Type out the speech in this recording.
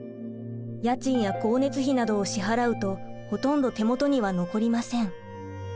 家賃や光熱費などを支払うとほとんど手元には残りません。